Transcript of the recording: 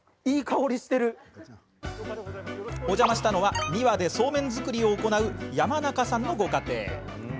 お邪魔したのは三輪で、そうめん作りを行う山中さんのご家庭。